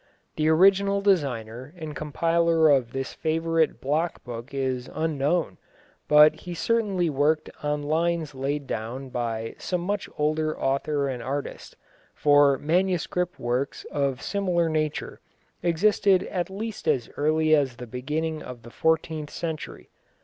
The original designer and compiler of this favourite block book is unknown, but he certainly worked on lines laid down by some much older author and artist, for manuscript works of similar nature existed at least as early as the beginning of the fourteenth century.